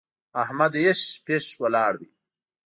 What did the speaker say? احمد هېښ پېښ ولاړ دی!